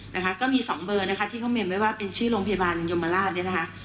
นะคะก็มีสองเบอร์นะคะที่เขาเมนไว้ว่าเป็นชื่อโรงพยาบาลยมราชเนี่ยนะคะ